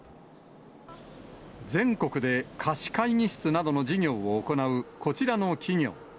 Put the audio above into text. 全国で貸会議室などの事業を行うこちらの企業。